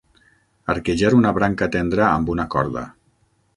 Arquejar una branca tendra amb una corda.